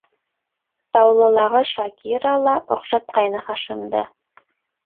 Таулылағы Шакира ла оҡшатҡайны Хашимды.